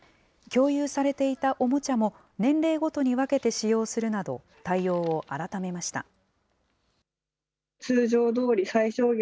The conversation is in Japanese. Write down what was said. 共有されていたおもちゃも、年齢ごとに分けて使用するなど、対応を改めました。